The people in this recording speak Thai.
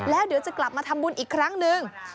แล้วเดี๋ยวจะกลับมาทำบุญอีกครั้งหนึ่ง